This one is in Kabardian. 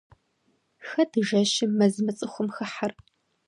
Хэт жэщым мэз мыцӀыхум хыхьэр?